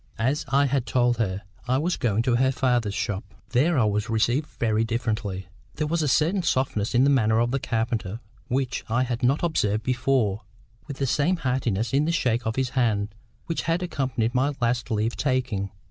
As I had told her, I was going to her father's shop. There I was received very differently. There was a certain softness in the manner of the carpenter which I had not observed before, with the same heartiness in the shake of his hand which had accompanied my last leave taking.